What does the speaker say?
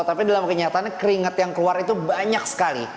tapi dalam kenyataannya keringat yang keluar itu banyak sekali